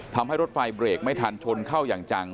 ทำให้รถไฟเบรกไม่ทันชนเข้าอย่างจัง